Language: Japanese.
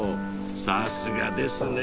さすがですね